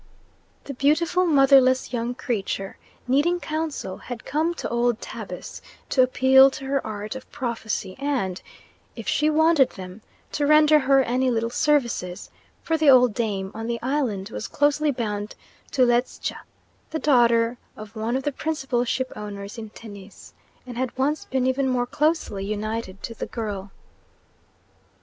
The beautiful, motherless young creature, needing counsel, had come to old Tabus to appeal to her art of prophecy and, if she wanted them, to render her any little services; for the old dame on the island was closely bound to Ledscha, the daughter of one of the principal ship owners in Tennis, and had once been even more closely united to the girl.